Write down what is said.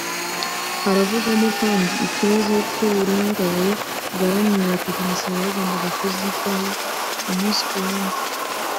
Haravugwamo kandi ikibazo cy’uburangare bwa bamwe mu batekinisiye bagombaga kuzitaho umunsi ku wundi